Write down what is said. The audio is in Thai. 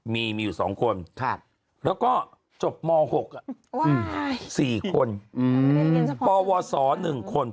มีมีอยู่๒คนแล้วก็จบม๖๔คนปวส๑คน